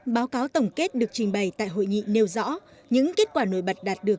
báo cáo tổng kết được trình bày tại hội nghị nêu rõ những kết quả nổi bật đạt được